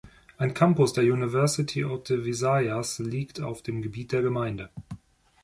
Ein Campus der University of the Visayas liegt auf dem Gebiet der Gemeinde.